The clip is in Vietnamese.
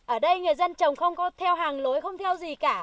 ở đây người dân trồng không có theo hàng lối không theo gì cả